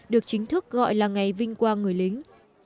được chính thức gọi là ngày vinh quang người lính